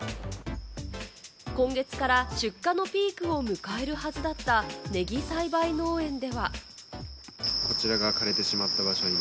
今月から出荷のピークを迎えるはずだった、ネギ栽培農園では。